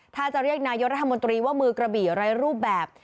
ถ้าจะเรียกนายกรัฐมนตรีว่ามือกระบี่ไร้รูปแบบ